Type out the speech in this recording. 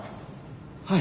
はい。